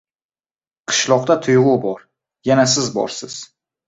Qishloqda tuyg‘u bor, yana… siz borsiz